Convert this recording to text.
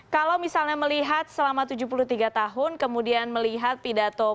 kalau misalnya melihat selama tujuh puluh tiga tahun kemudian melihat pidato politik